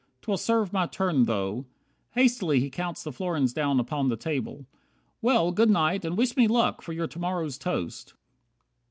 'Twill serve my turn though " Hastily he counts The florins down upon the table. "Well, Good night, and wish me luck for your to morrow's toast."